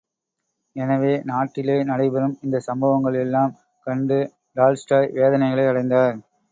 எனவே, நாட்டிலே நடைபெறும் இந்தச்சம்பவங்கள் எல்லாம் கண்டு டால்ஸ்டாய் வேதனைகளை அடைந்தார்.